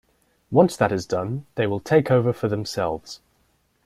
Once that is done, they will take over for themselves.